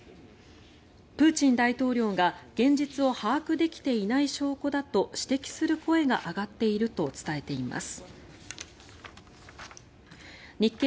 プーチン大統領が現実を把握できていない証拠だと指摘する声が上がっていると伝えています。